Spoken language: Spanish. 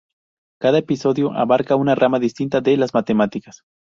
Cada episodio abarca una rama distinta de las matemáticas.